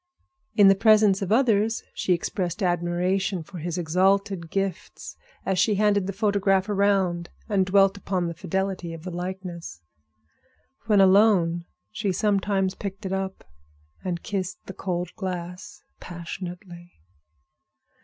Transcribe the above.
In the presence of others she expressed admiration for his exalted gifts, as she handed the photograph around and dwelt upon the fidelity of the likeness. When alone she sometimes picked it up and kissed the cold glass passionately.